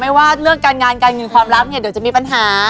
ไม่ว่าเรื่องการงานการความลับเนี้ยจะมีปัญหา